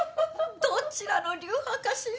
どちらの流派かしら。